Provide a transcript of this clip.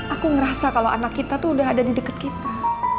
aku ngerasa kalau anak kita tuh udah ada di dekat kita